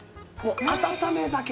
温めだけで。